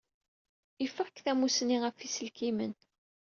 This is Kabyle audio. Ifeɣ-k tamussni ɣef yiselkimen.